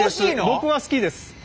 僕は好きです。